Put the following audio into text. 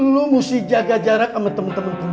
lo mesti jaga jarak sama temen temen juga